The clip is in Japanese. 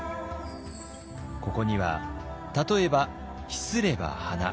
ここには例えば「秘すれば花」